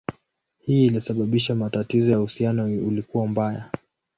Hii ilisababisha matatizo na uhusiano ulikuwa mbaya.